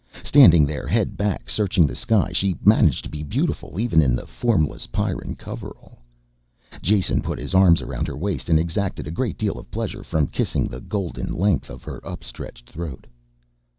Standing there, head back searching the sky, she managed to be beautiful even in the formless Pyrran coverall. Jason put his arms around her waist and exacted a great deal of pleasure from kissing the golden length of her up stretched throat.